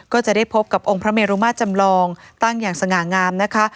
ก็จะได้พบกับองค์พระเมรุมาตรจำลองตั้งอย่างสง่างามนะคะ